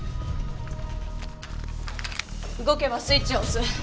動けばスイッチを押す。